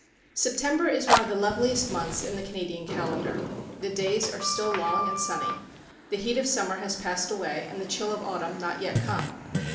September is one of the loveliest months in the Canadian calendar. The days are still long and sunny. The heat of summer has passed away, and the chill of autumn not yet come.